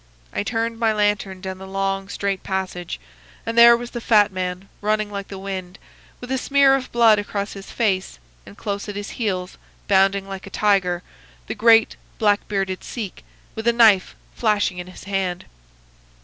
I turned my lantern down the long, straight passage, and there was the fat man, running like the wind, with a smear of blood across his face, and close at his heels, bounding like a tiger, the great black bearded Sikh, with a knife flashing in his hand.